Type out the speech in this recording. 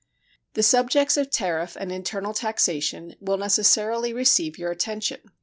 The subjects of tariff and internal taxation will necessarily receive your attention.